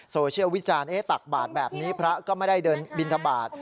โซเชียลวิจารณ์ตักบาทแบบนี้พระก็ไม่ได้เดินบินทบาท